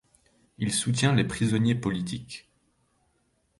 Il soutient les prisonniers politiques.